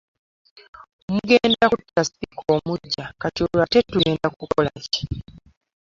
Mugenda kutta sipiika omuggya kati olwo ate tugenda kukola ki?